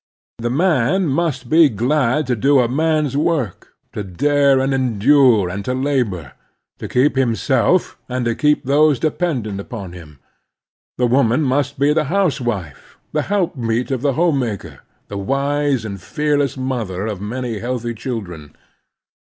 The man must be glad to do a man's work, to dare and endure and to labor ; to keep himself, and to keep those dependent 6 The Strenuous Life upon him. The woman must be the house wife, the helpmeet of the homemaker, the wise and fearless mother of many healthy children.